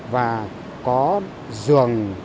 và có giường